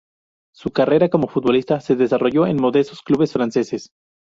Su carrera como futbolista se desarrolló en modestos clubes franceses.